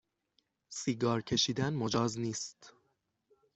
سیگار کشیدن مجاز نیست